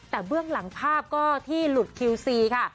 แต่เบื้องหลังภาพก็ที่หลุดคิวซีค่ะ